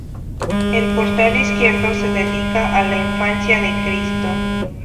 El portal izquierdo se dedica a la infancia de Cristo.